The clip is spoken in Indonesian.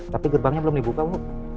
tapi gerbangnya belum dibuka bu